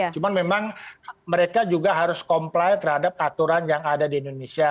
cuma memang mereka juga harus comply terhadap aturan yang ada di indonesia